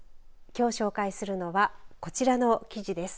きょう紹介するのはこちらの記事です。